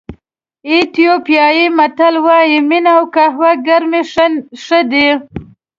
ایتیوپیایي متل وایي مینه او قهوه ګرمې ښې دي.